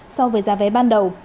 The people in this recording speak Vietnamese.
so với giá vé ban đầu